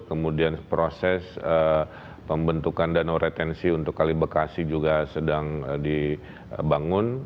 kemudian proses pembentukan danau retensi untuk kali bekasi juga sedang dibangun